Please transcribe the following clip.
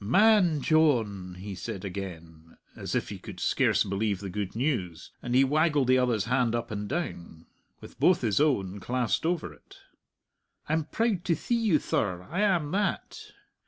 "Man Dyohn!" he said again, as if he could scarce believe the good news, and he waggled the other's hand up and down, with both his own clasped over it. "I'm proud to thee you, thir; I am that.